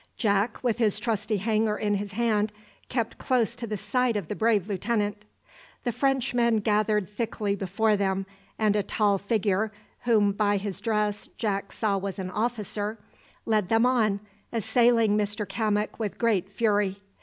Jack, with his trusty hanger in his hand, kept close to the side of the brave lieutenant. The Frenchmen gathered thickly before them, and a tall figure, whom by his dress Jack saw was an officer, led them on, assailing Mr Cammock with great fury.